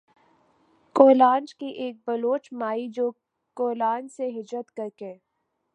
کولانچ کی ایک بلوچ مائی جو کولانچ سے ھجرت کر کے